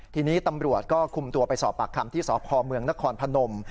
ทีนี้ตำรวจก็คุมตัวไปสอบปากคำที่สพเมืองนครพนม